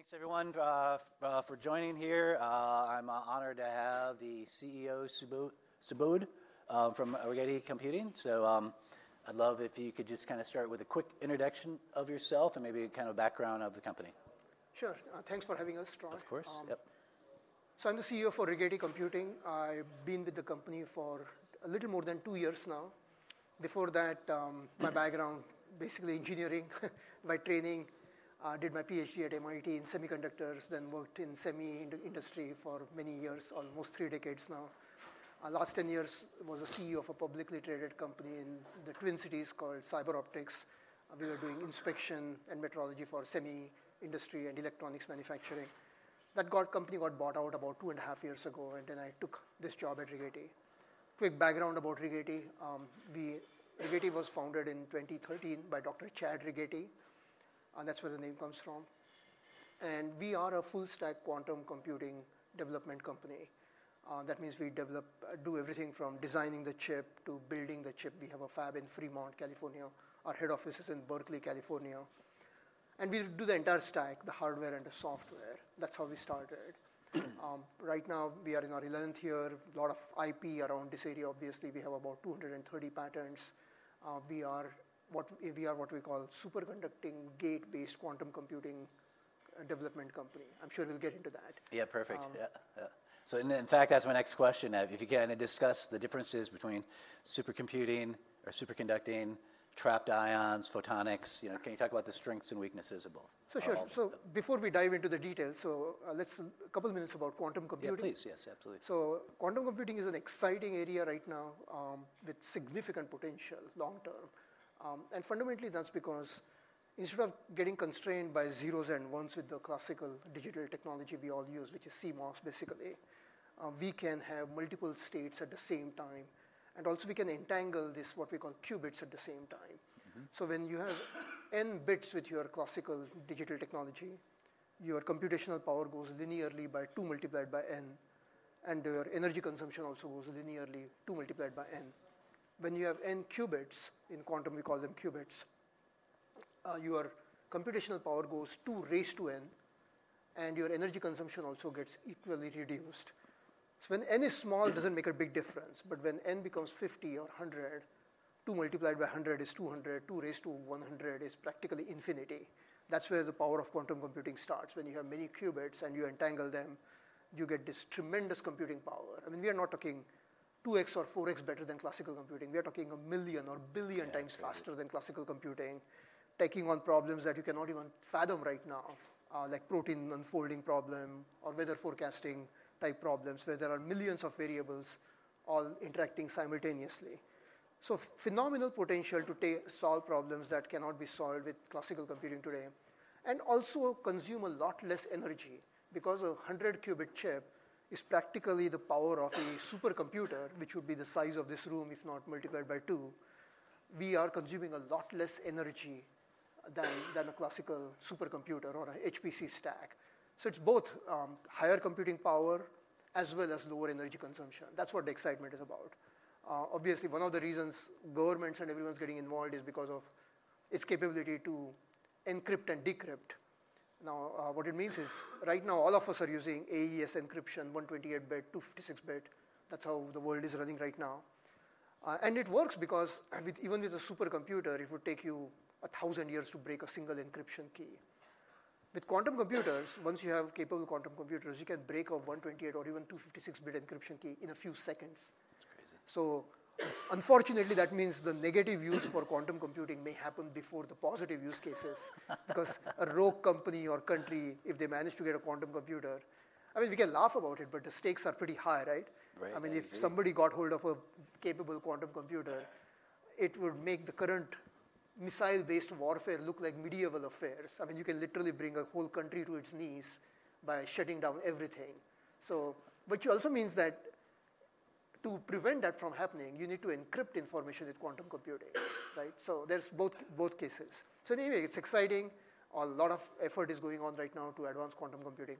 Thanks, everyone, for joining here. I'm honored to have the CEO Subodh from Rigetti Computing. I'd love if you could just kind of start with a quick introduction of yourself and maybe kind of a background of the company. Sure. Thanks for having us, Brian. Of course. Yep. I'm the CEO for Rigetti Computing. I've been with the company for a little more than two years now. Before that, my background, basically engineering by training. I did my PhD at MIT in semiconductors, then worked in semi-industry for many years, almost three decades now. Last 10 years, I was the CEO of a publicly traded company in the Twin Cities called CyberOptics. We were doing inspection and metrology for semi-industry and electronics manufacturing. That company got bought out about 2.5 years ago, and then I took this job at Rigetti. Quick background about Rigetti. Rigetti was founded in 2013 by Dr. Chad Rigetti, and that's where the name comes from. We are a full-stack quantum computing development company. That means we do everything from designing the chip to building the chip. We have a fab in Fremont, California. Our head office is in Berkeley, California. We do the entire stack, the hardware and the software. That's how we started. Right now, we are in our 11th year. A lot of IP around this area, obviously. We have about 230 patents. We are what we call superconducting gate-based quantum computing development company. I'm sure we'll get into that. Yeah, perfect. Yeah. In fact, that's my next question. If you can discuss the differences between supercomputing or superconducting, trapped ions, photonics, can you talk about the strengths and weaknesses of both? For sure. Before we dive into the details, a couple of minutes about quantum computing. Yeah, please. Yes, absolutely. Quantum computing is an exciting area right now with significant potential long term. Fundamentally, that's because instead of getting constrained by zeros and ones with the classical digital technology we all use, which is CMOS, basically, we can have multiple states at the same time. Also, we can entangle this, what we call qubits, at the same time. When you have n bits with your classical digital technology, your computational power goes linearly by two multiplied by n. Your energy consumption also goes linearly two multiplied by n. When you have n qubits in quantum, we call them qubits, your computational power goes two raised to n, and your energy consumption also gets equally reduced. When n is small, it does not make a big difference. When n becomes 50 or 100, two multiplied by 100 is 200. Two raised to 100 is practically infinity. That's where the power of quantum computing starts. When you have many qubits and you entangle them, you get this tremendous computing power. I mean, we are not talking 2x or 4x better than classical computing. We are talking a million or billion times faster than classical computing, taking on problems that you cannot even fathom right now, like protein unfolding problem or weather forecasting type problems, where there are millions of variables all interacting simultaneously. Phenomenal potential to solve problems that cannot be solved with classical computing today. Also consume a lot less energy because a 100-qubit chip is practically the power of a supercomputer, which would be the size of this room, if not multiplied by two. We are consuming a lot less energy than a classical supercomputer or an HPC stack. It is both higher computing power as well as lower energy consumption. That is what the excitement is about. Obviously, one of the reasons governments and everyone is getting involved is because of its capability to encrypt and decrypt. Now, what it means is right now, all of us are using AES encryption, 128-bit, 256-bit. That is how the world is running right now. It works because even with a supercomputer, it would take you 1,000 years to break a single encryption key. With quantum computers, once you have capable quantum computers, you can break a 128-bit or even 256-bit encryption key in a few seconds. That's crazy. Unfortunately, that means the negative use for quantum computing may happen before the positive use cases because a rogue company or country, if they manage to get a quantum computer, I mean, we can laugh about it, but the stakes are pretty high, right? Right. I mean, if somebody got hold of a capable quantum computer, it would make the current missile-based warfare look like medieval affairs. I mean, you can literally bring a whole country to its knees by shutting down everything. You also mean that to prevent that from happening, you need to encrypt information with quantum computing, right? There are both cases. Anyway, it's exciting. A lot of effort is going on right now to advance quantum computing.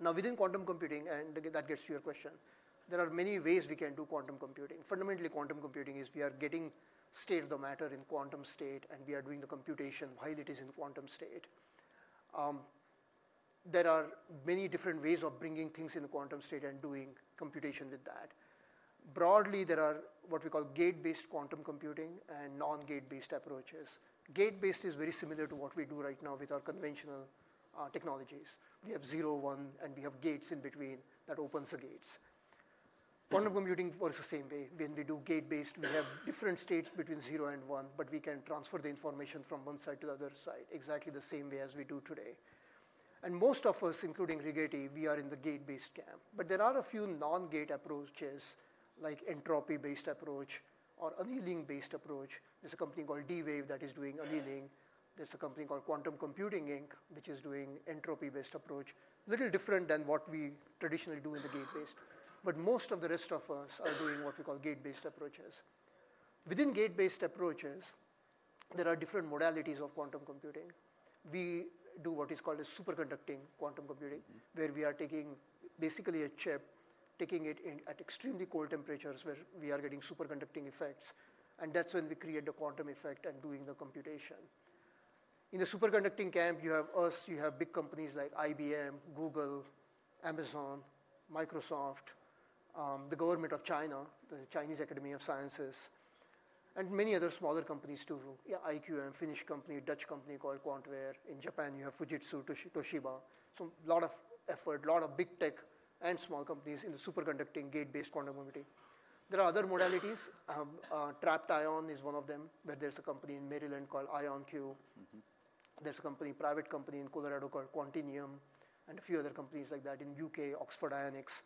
Now, within quantum computing, and that gets to your question, there are many ways we can do quantum computing. Fundamentally, quantum computing is we are getting state of the matter in quantum state, and we are doing the computation while it is in quantum state. There are many different ways of bringing things in the quantum state and doing computation with that. Broadly, there are what we call gate-based quantum computing and non-gate-based approaches. Gate-based is very similar to what we do right now with our conventional technologies. We have 0, 1, and we have gates in between that open the gates. Quantum computing works the same way. When we do gate-based, we have different states between 0 and 1, but we can transfer the information from one side to the other side exactly the same way as we do today. Most of us, including Rigetti, we are in the gate-based camp. There are a few non-gate approaches, like entropy-based approach or annealing-based approach. There is a company called D-Wave that is doing annealing. There is a company called Quantum Computing Inc., which is doing entropy-based approach, a little different than what we traditionally do in the gate-based. Most of the rest of us are doing what we call gate-based approaches. Within gate-based approaches, there are different modalities of quantum computing. We do what is called superconducting quantum computing, where we are taking basically a chip, taking it at extremely cold temperatures where we are getting superconducting effects. That is when we create the quantum effect and doing the computation. In the superconducting camp, you have us. You have big companies like IBM, Google, Amazon, Microsoft, the government of China, the Chinese Academy of Sciences, and many other smaller companies too, IQM, Finnish company, Dutch company called QuantWare. In Japan, you have Fujitsu, Toshiba. A lot of effort, a lot of big tech and small companies in the superconducting gate-based quantum computing. There are other modalities. Trapped ion is one of them, where there is a company in Maryland called IonQ. There is a private company in Colorado called Quantinuum and a few other companies like that in the U.K., Oxford Ionics.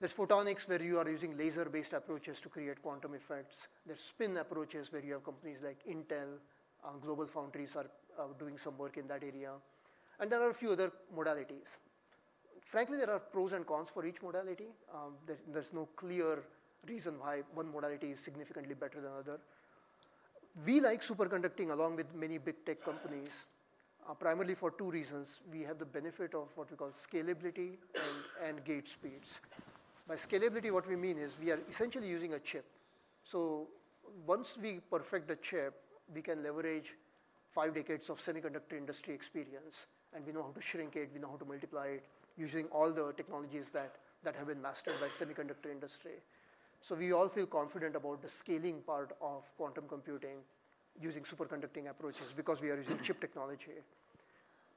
There's photonics, where you are using laser-based approaches to create quantum effects. There's spin approaches, where you have companies like Intel, GlobalFoundries are doing some work in that area. There are a few other modalities. Frankly, there are pros and cons for each modality. There's no clear reason why one modality is significantly better than another. We like superconducting along with many big tech companies primarily for two reasons. We have the benefit of what we call scalability and gate speeds. By scalability, what we mean is we are essentially using a chip. Once we perfect the chip, we can leverage five decades of semiconductor industry experience. We know how to shrink it. We know how to multiply it using all the technologies that have been mastered by the semiconductor industry. We all feel confident about the scaling part of quantum computing using superconducting approaches because we are using chip technology.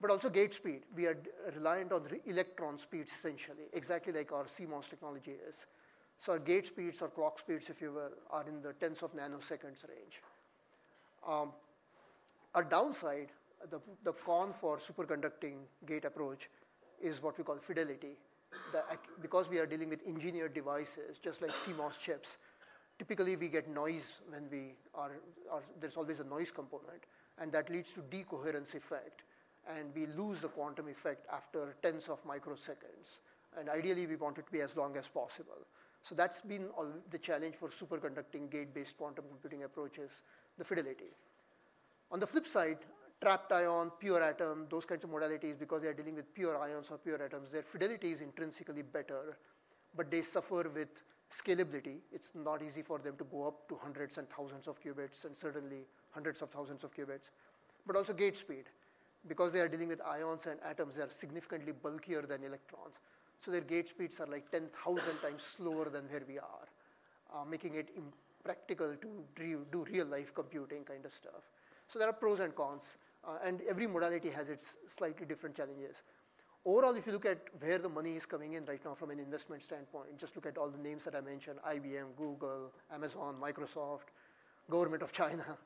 Also, gate speed. We are reliant on electron speeds, essentially, exactly like our CMOS technology is. Our gate speeds, our clock speeds, if you will, are in the tens of nanoseconds range. Our downside, the con for superconducting gate approach is what we call fidelity. Because we are dealing with engineered devices, just like CMOS chips, typically, we get noise when we are there's always a noise component. That leads to decoherence effect. We lose the quantum effect after tens of microseconds. Ideally, we want it to be as long as possible. That's been the challenge for superconducting gate-based quantum computing approaches, the fidelity. On the flip side, trapped ion, pure atom, those kinds of modalities, because they are dealing with pure ions or pure atoms, their fidelity is intrinsically better. They suffer with scalability. It's not easy for them to go up to hundreds and thousands of qubits and certainly hundreds of thousands of qubits. Also gate speed. Because they are dealing with ions and atoms, they are significantly bulkier than electrons. Their gate speeds are 10,000x slower than where we are, making it impractical to do real-life computing kind of stuff. There are pros and cons. Every modality has its slightly different challenges. Overall, if you look at where the money is coming in right now from an investment standpoint, just look at all the names that I mentioned, IBM, Google, Amazon, Microsoft, government of China.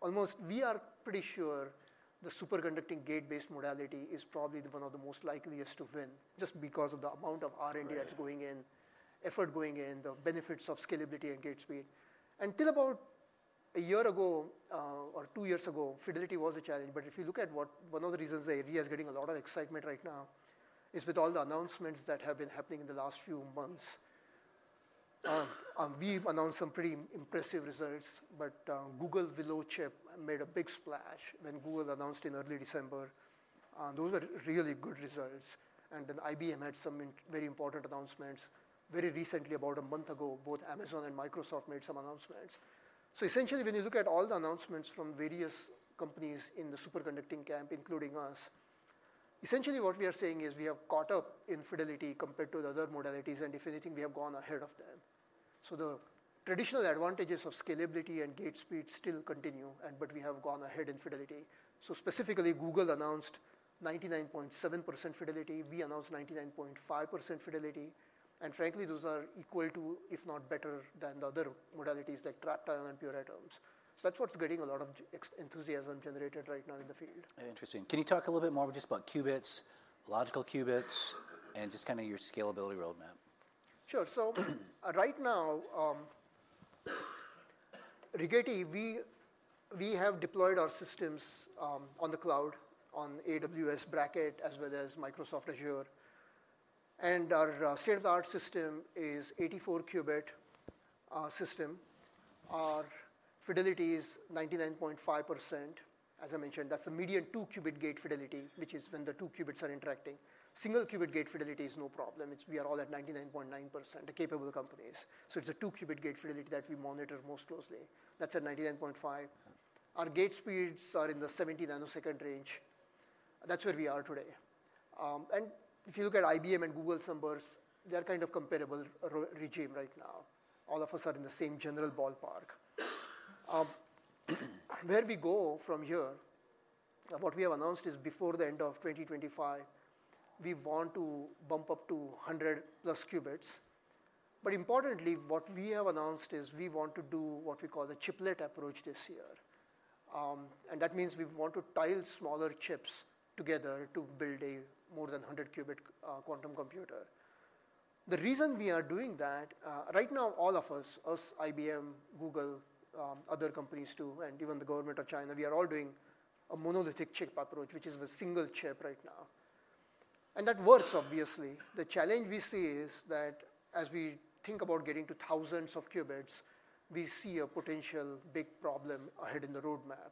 Almost we are pretty sure the superconducting gate-based modality is probably one of the most likeliest to win just because of the amount of R&D that's going in, effort going in, the benefits of scalability and gate speed. Until about a year ago or two years ago, fidelity was a challenge. If you look at one of the reasons the area is getting a lot of excitement right now is with all the announcements that have been happening in the last few months. We've announced some pretty impressive results. Google Willow chip made a big splash when Google announced in early December. Those were really good results. IBM had some very important announcements. Very recently, about a month ago, both Amazon and Microsoft made some announcements. Essentially, when you look at all the announcements from various companies in the superconducting camp, including us, what we are saying is we have caught up in fidelity compared to the other modalities. If anything, we have gone ahead of them. The traditional advantages of scalability and gate speed still continue, but we have gone ahead in fidelity. Specifically, Google announced 99.7% fidelity. We announced 99.5% fidelity. Frankly, those are equal to, if not better than, the other modalities like trapped ion and pure atoms. That is what is getting a lot of enthusiasm generated right now in the field. Interesting. Can you talk a little bit more just about qubits, logical qubits, and just kind of your scalability roadmap? Sure. Right now, Rigetti, we have deployed our systems on the cloud on AWS Braket as well as Microsoft Azure. Our state-of-the-art system is an 84-qubit system. Our fidelity is 99.5%. As I mentioned, that's a median 2-qubit gate fidelity, which is when the two qubits are interacting. Single-qubit gate fidelity is no problem. We are all at 99.9%, the capable companies. It is a 2-qubit gate fidelity that we monitor most closely. That is at 99.5%. Our gate speeds are in the 70-nanosecond range. That is where we are today. If you look at IBM and Google's numbers, they are kind of comparable regime right now. All of us are in the same general ballpark. Where we go from here, what we have announced is before the end of 2025, we want to bump up to 100-plus qubits. Importantly, what we have announced is we want to do what we call the chiplet approach this year. That means we want to tile smaller chips together to build a more than 100-qubit quantum computer. The reason we are doing that right now, all of us, us, IBM, Google, other companies too, and even the government of China, we are all doing a monolithic chip approach, which is a single chip right now. That works, obviously. The challenge we see is that as we think about getting to thousands of qubits, we see a potential big problem ahead in the roadmap.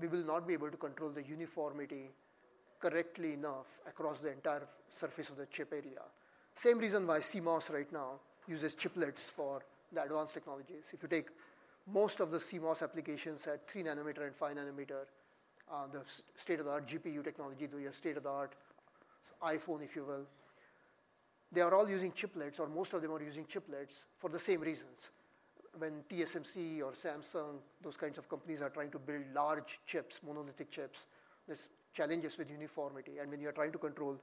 We will not be able to control the uniformity correctly enough across the entire surface of the chip area. Same reason why CMOS right now uses chiplets for the advanced technologies. If you take most of the CMOS applications at 3nm and 5nm, the state-of-the-art GPU technology, the state-of-the-art iPhone, if you will, they are all using chiplets, or most of them are using chiplets for the same reasons. When TSMC or Samsung, those kinds of companies are trying to build large chips, monolithic chips, there's challenges with uniformity. When you are trying to control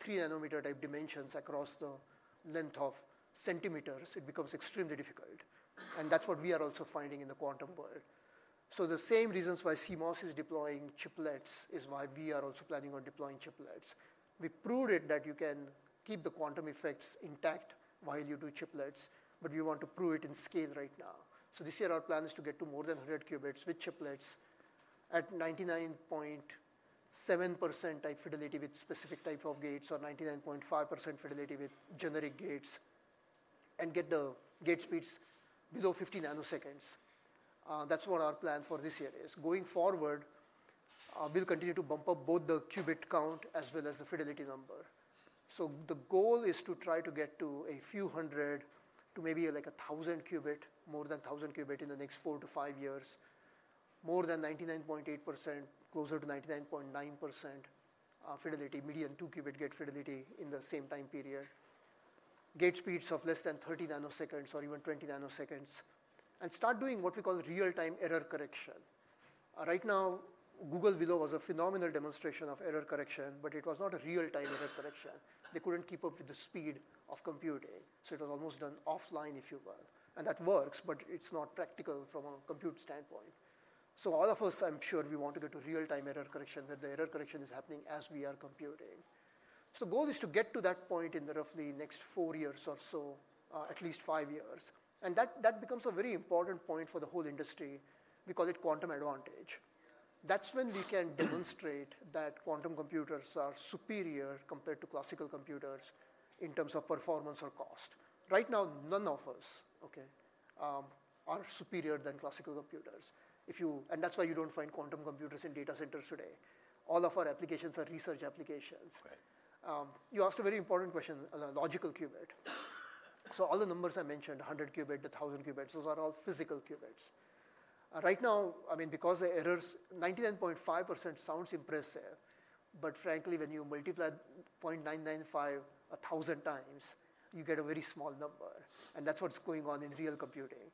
3nm-type dimensions across the length of centimeters, it becomes extremely difficult. That is what we are also finding in the quantum world. The same reasons why CMOS is deploying chiplets is why we are also planning on deploying chiplets. We proved that you can keep the quantum effects intact while you do chiplets. We want to prove it in scale right now. This year, our plan is to get to more than 100-qubit with chiplets at 99.7% type fidelity with specific type of gates or 99.5% fidelity with generic gates and get the gate speeds below 50 nanoseconds. That's what our plan for this year is. Going forward, we'll continue to bump up both the qubit count as well as the fidelity number. The goal is to try to get to a few hundred to maybe like 1,000-qubit, more than 1,000-qubit in the next four to five years, more than 99.8%, closer to 99.9% fidelity, median 2-qubit gate fidelity in the same time period, gate speeds of less than 30 nanoseconds or even 20 nanoseconds, and start doing what we call real-time error correction. Right now, Google Willow was a phenomenal demonstration of error correction, but it was not a real-time error correction. They couldn't keep up with the speed of computing. It was almost done offline, if you will. That works, but it's not practical from a compute standpoint. All of us, I'm sure we want to get to real-time error correction where the error correction is happening as we are computing. The goal is to get to that point in roughly the next four years or so, at least five years. That becomes a very important point for the whole industry. We call it quantum advantage. That's when we can demonstrate that quantum computers are superior compared to classical computers in terms of performance or cost. Right now, none of us are superior than classical computers. That's why you don't find quantum computers in data centers today. All of our applications are research applications. You asked a very important question, a logical qubit. All the numbers I mentioned, 100-qubit, 1,000-qubit, those are all physical qubits. Right now, I mean, because the errors, 99.5% sounds impressive. Frankly, when you multiply 0.995 a thousand times, you get a very small number. That is what is going on in real computing.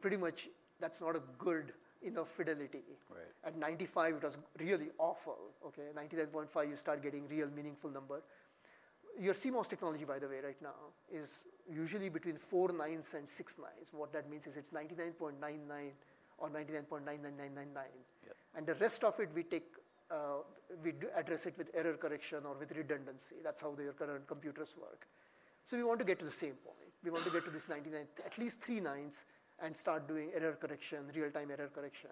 Pretty much, that is not a good enough fidelity. At 95, it was really awful. At 99.5, you start getting real meaningful numbers. Your CMOS technology, by the way, right now is usually between four nines and six nines. What that means is it is 99.99% or 99.99999%. The rest of it, we address with error correction or with redundancy. That is how the current computers work. We want to get to the same point. We want to get to this 99, at least three nines, and start doing error correction, real-time error correction.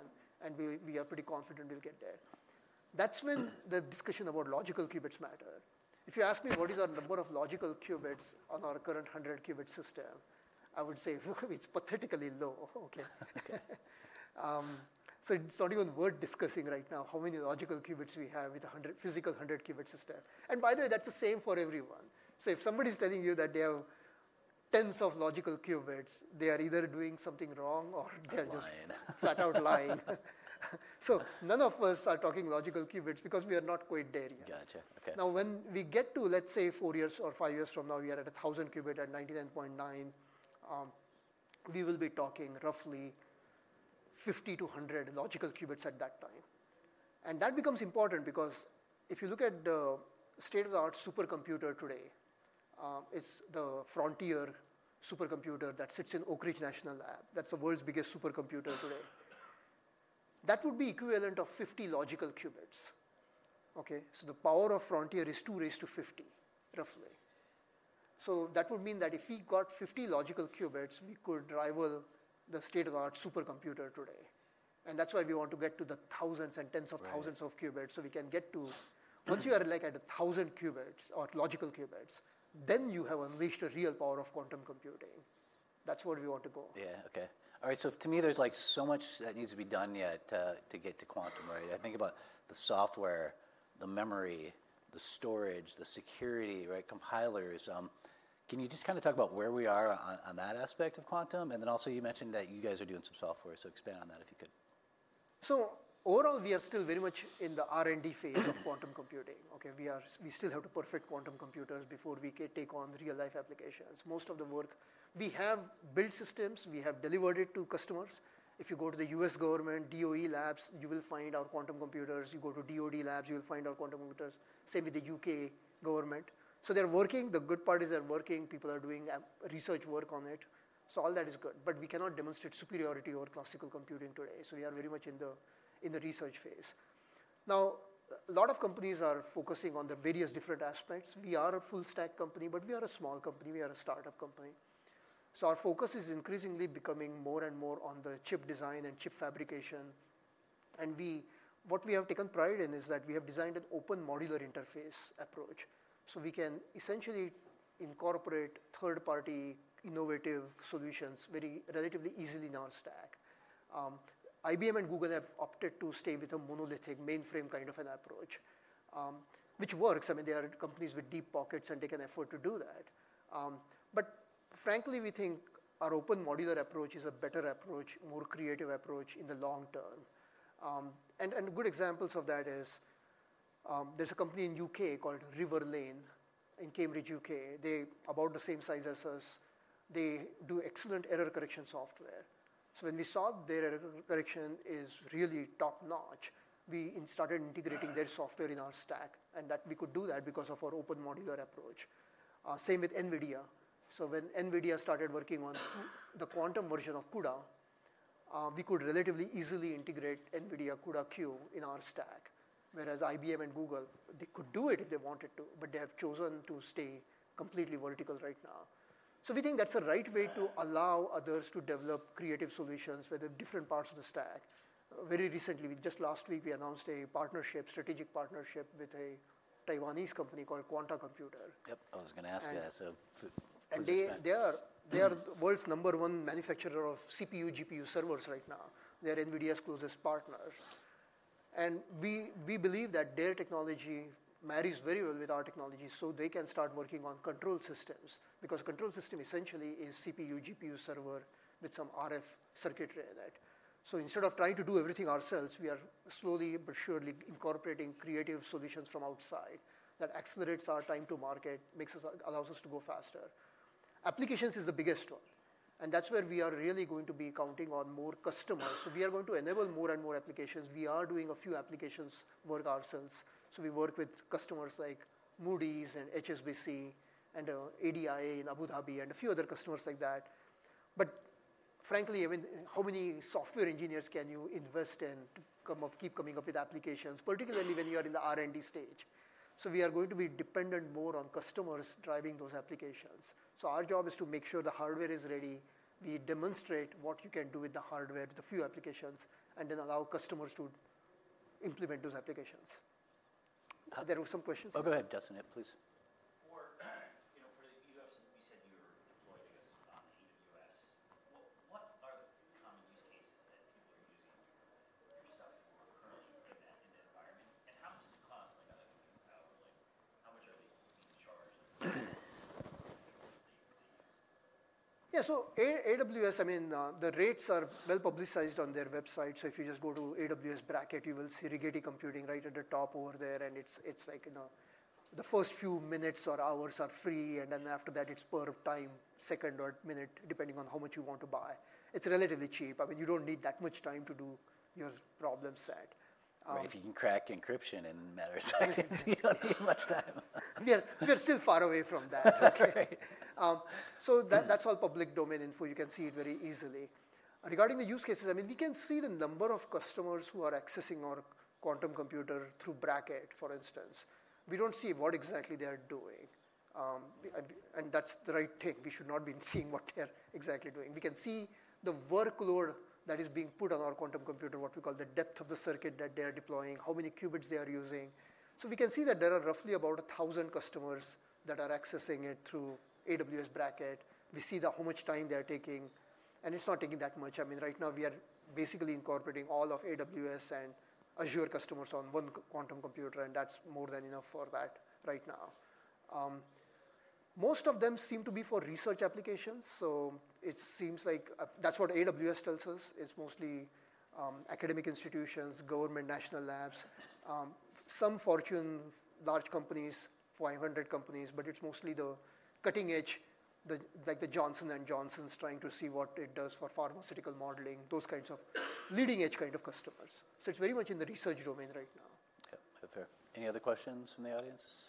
We are pretty confident we'll get there. That's when the discussion about logical qubits matters. If you ask me what is our number of logical qubits on our current 100-qubit system, I would say it's pathetically low. It's not even worth discussing right now how many logical qubits we have with a physical 100-qubit system. By the way, that's the same for everyone. If somebody is telling you that they have tens of logical qubits, they are either doing something wrong or they're just flat-out lying. None of us are talking logical qubits because we are not quite there yet. When we get to, let's say, four years or five years from now, we are at 1,000-qubit at 99.9%. We will be talking roughly 50 to 100 logical qubits at that time. That becomes important because if you look at the state-of-the-art supercomputer today, it's the Frontier supercomputer that sits in Oak Ridge National Lab. That's the world's biggest supercomputer today. That would be equivalent to 50 logical qubits. The power of Frontier is two raised to 50, roughly. That would mean that if we got 50 logical qubits, we could rival the state-of-the-art supercomputer today. That is why we want to get to the thousands and tens of thousands of qubits so we can get to once you are at 1,000-qubit or logical qubits, then you have unleashed a real power of quantum computing. That is where we want to go. Yeah. OK. All right. To me, there's so much that needs to be done yet to get to quantum. I think about the software, the memory, the storage, the security, compilers. Can you just kind of talk about where we are on that aspect of quantum? You mentioned that you guys are doing some software. Expand on that, if you could. Overall, we are still very much in the R&D phase of quantum computing. We still have to perfect quantum computers before we can take on real-life applications. Most of the work, we have built systems. We have delivered it to customers. If you go to the U.S. government, DOE labs, you will find our quantum computers. You go to DoD labs, you will find our quantum computers. Same with the U.K. government. They are working. The good part is they are working. People are doing research work on it. All that is good. We cannot demonstrate superiority over classical computing today. We are very much in the research phase. A lot of companies are focusing on the various different aspects. We are a full-stack company, but we are a small company. We are a startup company. Our focus is increasingly becoming more and more on the chip design and chip fabrication. What we have taken pride in is that we have designed an open modular interface approach so we can essentially incorporate third-party innovative solutions very relatively easily on stack. IBM and Google have opted to stay with a monolithic mainframe kind of an approach, which works. I mean, they are companies with deep pockets and take an effort to do that. Frankly, we think our open modular approach is a better approach, more creative approach in the long term. Good examples of that is there's a company in the U.K. called Riverlane in Cambridge, U.K. They are about the same size as us. They do excellent error correction software. When we saw their error correction is really top-notch, we started integrating their software in our stack. We could do that because of our open modular approach. Same with NVIDIA. When NVIDIA started working on the quantum version of CUDA, we could relatively easily integrate NVIDIA CUDA-Q in our stack, whereas IBM and Google, they could do it if they wanted to. They have chosen to stay completely vertical right now. We think that's the right way to allow others to develop creative solutions with different parts of the stack. Very recently, just last week, we announced a strategic partnership with a Taiwanese company called Quanta Computer. Yep. I was going to ask you that. They are the world's number one manufacturer of CPU, GPU servers right now. They are NVIDIA's closest partners. We believe that their technology marries very well with our technology so they can start working on control systems because a control system essentially is a CPU, GPU server with some RF circuitry in it. Instead of trying to do everything ourselves, we are slowly but surely incorporating creative solutions from outside that accelerate our time to market, allow us to go faster. Applications is the biggest one. That is where we are really going to be counting on more customers. We are going to enable more and more applications. We are doing a few applications work ourselves. We work with customers like Moody's and HSBC and ADIA in Abu Dhabi and a few other customers like that. Frankly, how many software engineers can you invest in to keep coming up with applications, particularly when you are in the R&D stage? We are going to be dependent more on customers driving those applications. Our job is to make sure the hardware is ready. We demonstrate what you can do with the hardware, the few applications, and then allow customers to implement those applications. Are there some questions? Oh, go ahead, Justin, please. For the U.S., you said you're deployed, I guess, on AWS. What are the common use cases that people are using your stuff for currently in the environment? How much does it cost? Like electricity power, how much are they being charged? Yeah. AWS, I mean, the rates are well publicized on their website. If you just go to AWS Braket, you will see Rigetti Computing right at the top over there. It's like the first few minutes or hours are free. After that, it's per time, second or minute, depending on how much you want to buy. It's relatively cheap. I mean, you don't need that much time to do your problem set. If you can crack encryption in a matter of seconds, you don't need much time. We are still far away from that. That is all public domain info. You can see it very easily. Regarding the use cases, I mean, we can see the number of customers who are accessing our quantum computer through Braket, for instance. We do not see what exactly they are doing. That is the right thing. We should not be seeing what they are exactly doing. We can see the workload that is being put on our quantum computer, what we call the depth of the circuit that they are deploying, how many qubits they are using. We can see that there are roughly about 1,000 customers that are accessing it through AWS Braket. We see how much time they are taking. It is not taking that much. I mean, right now, we are basically incorporating all of AWS and Azure customers on one quantum computer. That's more than enough for that right now. Most of them seem to be for research applications. It seems like that's what AWS tells us. It's mostly academic institutions, government, national labs, some Fortune 500 companies. It's mostly the cutting edge, like the Johnson & Johnson, trying to see what it does for pharmaceutical modeling, those kinds of leading edge kind of customers. It's very much in the research domain right now. Yep. Fair. Any other questions from the audience?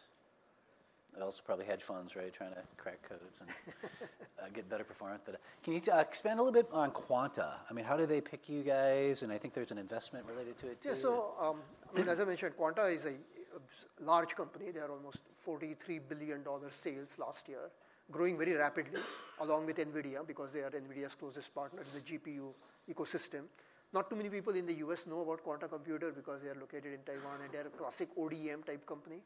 They're also probably hedge funds, right, trying to crack codes and get better performance. Can you expand a little bit on Quanta? I mean, how do they pick you guys? I think there's an investment related to it too. Yeah. As I mentioned, Quanta is a large company. They had almost $43 billion sales last year, growing very rapidly along with NVIDIA because they are NVIDIA's closest partner to the GPU ecosystem. Not too many people in the U.S. know about Quanta Computer because they are located in Taiwan. They're a classic ODM type company.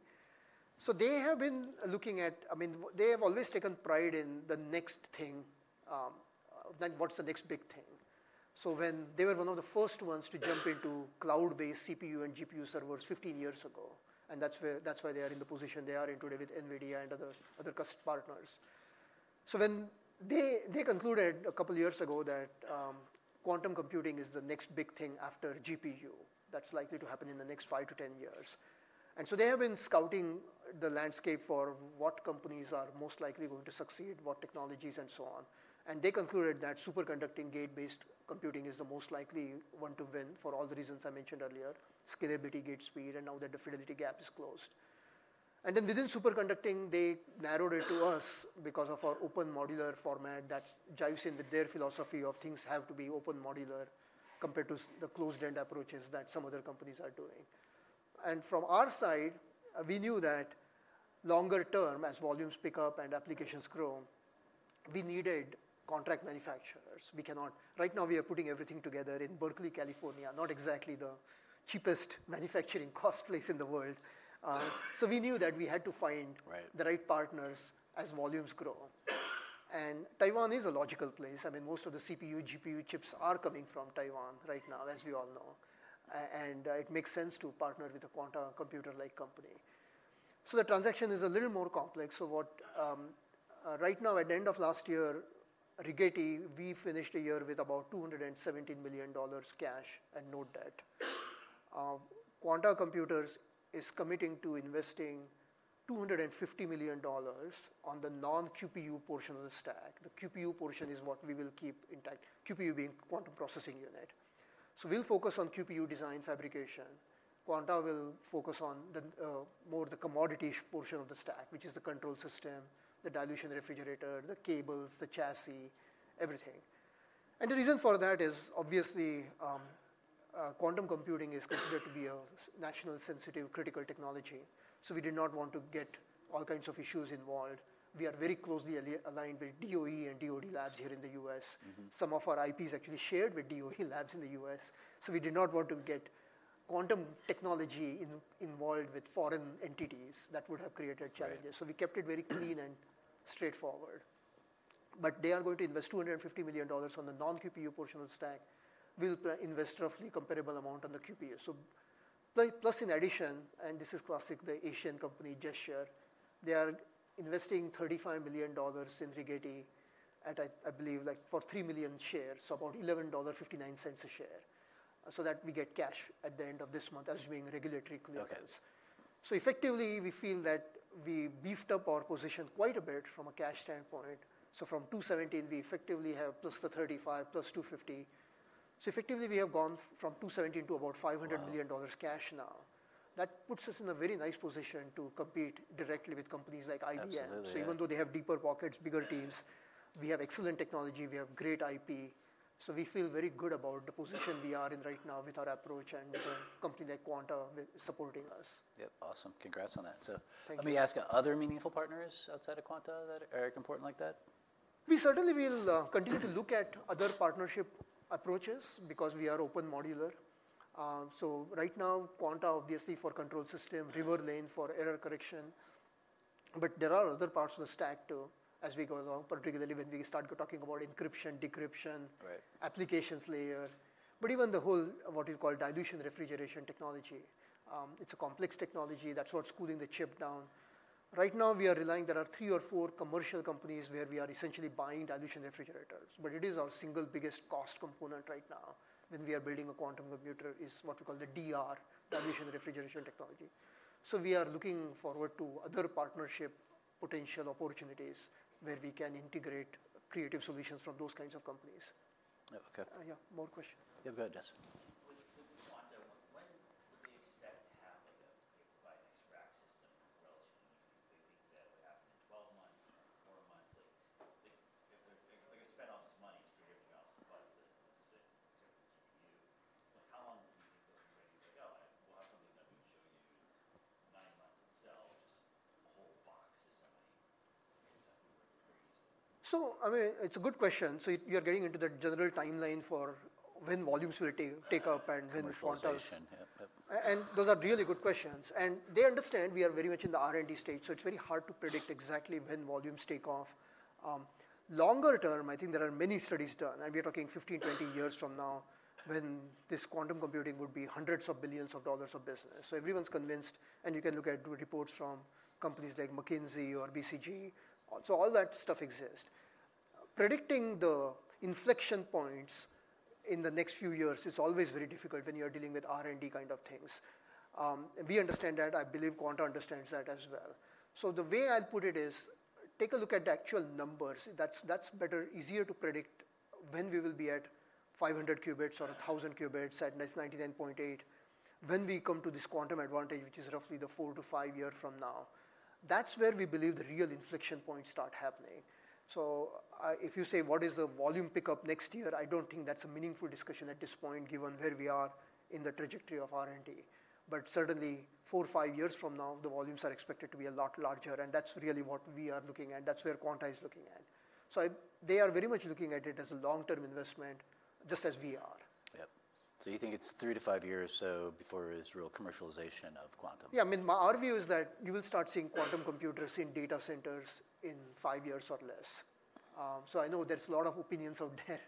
They have been looking at, I mean, they have always taken pride in the next thing, what's the next big thing. They were one of the first ones to jump into cloud-based CPU and GPU servers 15 years ago. That's why they are in the position they are in today with NVIDIA and other partners. They concluded a couple of years ago that quantum computing is the next big thing after GPU. That's likely to happen in the next 5 to 10 years. They have been scouting the landscape for what companies are most likely going to succeed, what technologies, and so on. They concluded that superconducting gate-based computing is the most likely one to win for all the reasons I mentioned earlier, scalability, gate speed, and now that the fidelity gap is closed. Within superconducting, they narrowed it to us because of our open modular format that jives in with their philosophy of things have to be open modular compared to the closed-end approaches that some other companies are doing. From our side, we knew that longer term, as volumes pick up and applications grow, we needed contract manufacturers. Right now, we are putting everything together in Berkeley, California, not exactly the cheapest manufacturing cost place in the world. We knew that we had to find the right partners as volumes grow. Taiwan is a logical place. I mean, most of the CPU, GPU chips are coming from Taiwan right now, as we all know. It makes sense to partner with a Quanta Computer-like company. The transaction is a little more complex. Right now, at the end of last year, Rigetti, we finished the year with about $217 million cash and no debt. Quanta Computer is committing to investing $250 million on the non-QPU portion of the stack. The QPU portion is what we will keep intact, QPU being quantum processing unit. We'll focus on QPU design fabrication. Quanta will focus on more the commodity portion of the stack, which is the control system, the dilution refrigerator, the cables, the chassis, everything. The reason for that is, obviously, quantum computing is considered to be a national sensitive, critical technology. We did not want to get all kinds of issues involved. We are very closely aligned with DOE and DoD labs here in the U.S. Some of our IP is actually shared with DOE labs in the U.S. We did not want to get quantum technology involved with foreign entities that would have created challenges. We kept it very clean and straightforward. They are going to invest $250 million on the non-QPU portion of the stack. We'll invest roughly a comparable amount on the QPU. In addition, and this is classic, the Asian company JSR, they are investing $35 million in Rigetti, I believe, for 3 million shares, so about $11.59 a share so that we get cash at the end of this month, assuming regulatory clearance. Effectively, we feel that we beefed up our position quite a bit from a cash standpoint. From $217, we effectively have +$35, +$250. So effectively, we have gone from $217 to about $500 million cash now. That puts us in a very nice position to compete directly with companies like IBM. Absolutely. Even though they have deeper pockets, bigger teams, we have excellent technology. We have great IP. So we feel very good about the position we are in right now with our approach and with a company like Quanta supporting us. Yep. Awesome. Congrats on that. Thank you. Let me ask, are there other meaningful partners outside of Quanta that are important like that? We certainly will continue to look at other partnership approaches because we are open modular. Right now, Quanta, obviously, for control system, Riverlane for error correction. There are other parts of the stack too as we go along, particularly when we start talking about encryption, decryption, applications layer. Even the whole, what we call dilution refrigeration technology, it's a complex technology. That's what's cooling the chip down. Right now, we are relying on there are three or four commercial companies where we are essentially buying dilution refrigerators. It is our single biggest cost component right now when we are building a quantum computer, what we call the DR, dilution refrigeration technology. We are looking forward to other partnership potential opportunities where we can integrate creative solutions from those kinds of companies. OK. Yeah. More questions? Predicting the inflection points in the next few years is always very difficult when you're dealing with R&D kind of things. We understand that. I believe Quanta understands that as well. The way I'll put it is, take a look at the actual numbers. That's better, easier to predict when we will be at 500-qubit or 1,000-qubit at 99.8%. When we come to this quantum advantage, which is roughly the four to five years from now, that's where we believe the real inflection points start happening. If you say, what is the volume pickup next year, I don't think that's a meaningful discussion at this point, given where we are in the trajectory of R&D. Certainly, four to five years from now, the volumes are expected to be a lot larger. That's really what we are looking at. That's where Quanta is looking at. They are very much looking at it as a long-term investment, just as we are. Yep. You think it's three to five years or so before there is real commercialization of Quanta? Yeah. I mean, our view is that you will start seeing quantum computers in data centers in five years or less. I know there's a lot of opinions out there.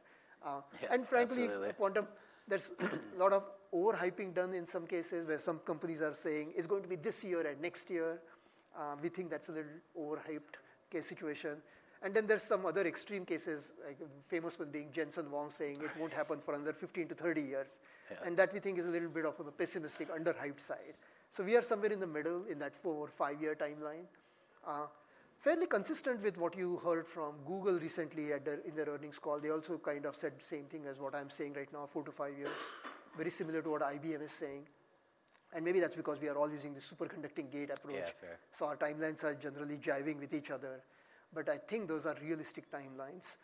Frankly, there's a lot of overhyping done in some cases where some companies are saying it's going to be this year and next year. We think that's a little overhyped case situation. There are some other extreme cases, like the famous one being Jensen Huang saying it won't happen for another 15 to 30 years. That we think is a little bit of a pessimistic underhyped side. We are somewhere in the middle in that four or five-year timeline. Fairly consistent with what you heard from Google recently in their earnings call. They also kind of said the same thing as what I'm saying right now, four to five years, very similar to what IBM is saying. Maybe that's because we are all using the superconducting gate approach. So our timelines are generally jiving with each other. I think those are realistic timelines.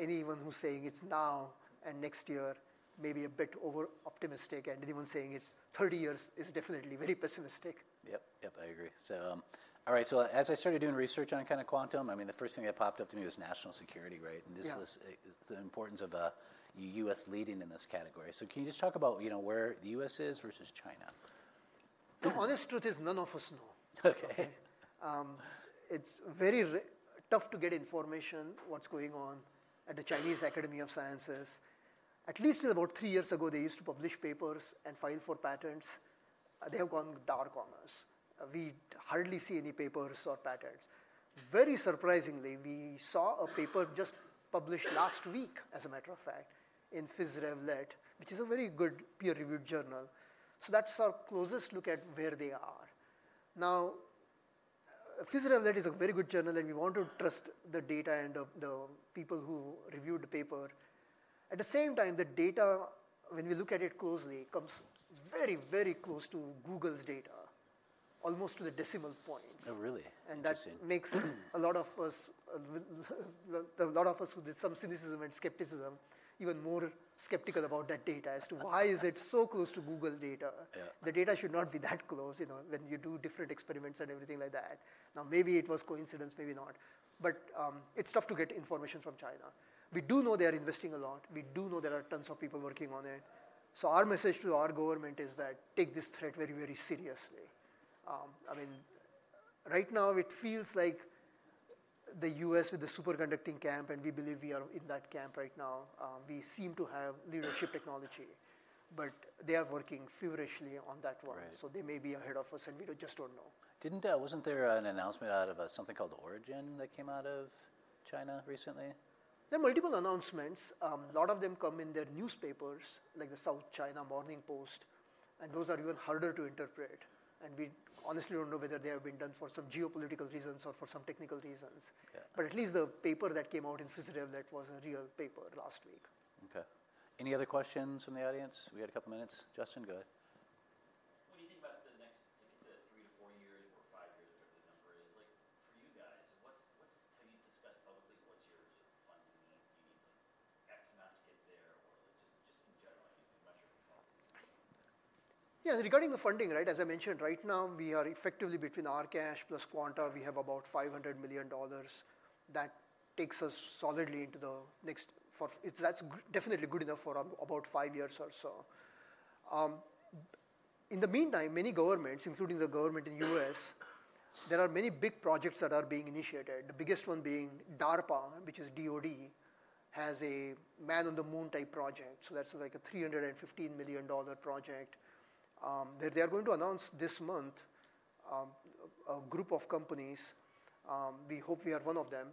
Anyone who's saying it's now and next year may be a bit over optimistic. Anyone saying it's 30 years is definitely very pessimistic. Yep. Yep. I agree. All right. As I started doing research on kind of quantum, I mean, the first thing that popped up to me was national security, right, and the importance of the U.S. leading in this category. Can you just talk about where the U.S. is versus China? The honest truth is none of us know. It's very tough to get information what's going on at the Chinese Academy of Sciences. At least about three years ago, they used to publish papers and file for patents. They have gone dark on us. We hardly see any papers or patents. Very surprisingly, we saw a paper just published last week, as a matter of fact, in Physical Review Letters, which is a very good peer-reviewed journal. That's our closest look at where they are. Now, Physical Review Letters is a very good journal. We want to trust the data and the people who reviewed the paper. At the same time, the data, when we look at it closely, comes very, very close to Google's data, almost to the decimal points. Oh, really? Interesting. That makes a lot of us, a lot of us who did some cynicism and skepticism, even more skeptical about that data as to why is it so close to Google data. The data should not be that close when you do different experiments and everything like that. Now, maybe it was coincidence, maybe not. It is tough to get information from China. We do know they are investing a lot. We do know there are tons of people working on it. Our message to our government is that take this threat very, very seriously. I mean, right now, it feels like the U.S. with the superconducting camp, and we believe we are in that camp right now. We seem to have leadership technology. They are working feverishly on that one. They may be ahead of us, and we just do not know. Wasn't there an announcement out of something called Origin that came out of China recently? There are multiple announcements. A lot of them come in their newspapers, like the South China Morning Post. Those are even harder to interpret. We honestly don't know whether they have been done for some geopolitical reasons or for some technical reasons. At least the paper that came Physical Review Letters was a real paper last week. OK. Any other questions from the audience? We got a couple of minutes. Justin, go ahead. What do you think about the next, like in the three to four years or five years, whatever the number is? For you guys, have you discussed publicly what's your sort of funding needs? Do you need X amount to get there? Or just in general, if you're doing much of a company, it's just. Yeah. Regarding the funding, right, as I mentioned, right now, we are effectively between our cash plus Quanta, we have about $500 million. That takes us solidly into the next that's definitely good enough for about five years or so. In the meantime, many governments, including the government in the U.S., there are many big projects that are being initiated, the biggest one being DARPA, which is DoD, has a man on the moon-type project. That is like a $315 million project. They are going to announce this month a group of companies. We hope we are one of them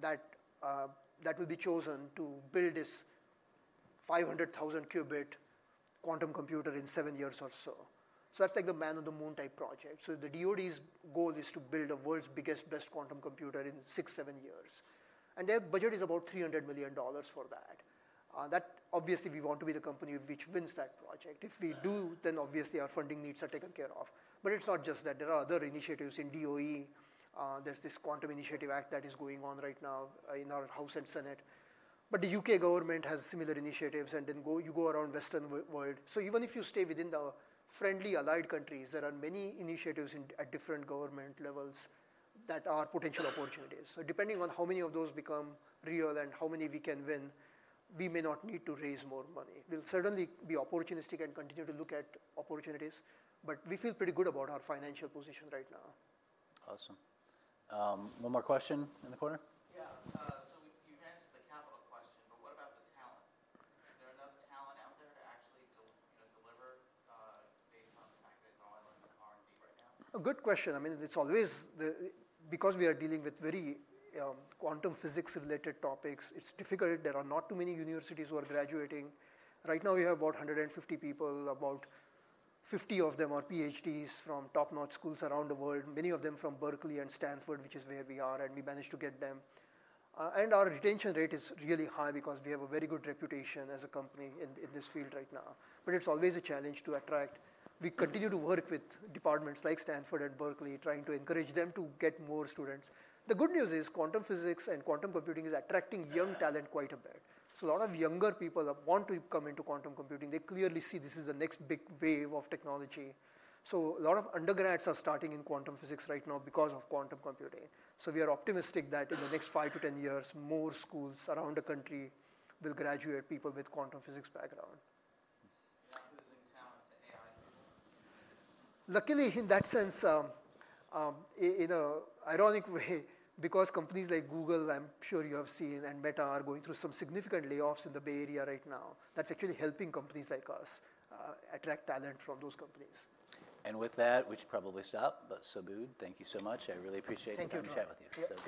that will be chosen to build this 500,000-qubit quantum computer in seven years or so. That is like the man on the moon-type project. The DoD's goal is to build the world's biggest, best quantum computer in six, seven years. Their budget is about $300 million for that. That, obviously, we want to be the company which wins that project. If we do, then obviously our funding needs are taken care of. It is not just that. There are other initiatives in DOE. There is this Quantum Initiative Act that is going on right now in our House and Senate. The U.K. government has similar initiatives. You go around Western world. Even if you stay within the friendly, allied countries, there are many initiatives at different government levels that are potential opportunities. Depending on how many of those become real and how many we can win, we may not need to raise more money. We will certainly be opportunistic and continue to look at opportunities. We feel pretty good about our financial position right now. Awesome. One more question in the corner? Yeah. You've answered the capital question. Is there enough talent out there to actually deliver based on the fact that it's all in R&D right now? A good question. I mean, it's always because we are dealing with very quantum physics-related topics, it's difficult. There are not too many universities who are graduating. Right now, we have about 150 people. About 50 of them are PhDs from top-notch schools around the world, many of them from Berkeley and Stanford, which is where we are. And we managed to get them. Our retention rate is really high because we have a very good reputation as a company in this field right now. It is always a challenge to attract. We continue to work with departments like Stanford and Berkeley, trying to encourage them to get more students. The good news is quantum physics and quantum computing is attracting young talent quite a bit. A lot of younger people want to come into quantum computing. They clearly see this is the next big wave of technology. A lot of undergrads are starting in quantum physics right now because of quantum computing. We are optimistic that in the next 5 to 10 years, more schools around the country will graduate people with quantum physics background. Is there talent to AI people? Luckily, in that sense, in an ironic way, because companies like Google, I'm sure you have seen, and Meta are going through some significant layoffs in the Bay Area right now, that's actually helping companies like us attract talent from those companies. We should probably stop. Subodh, thank you so much. I really appreciate the opportunity to chat with you. Thank you.